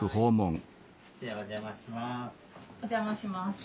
お邪魔します。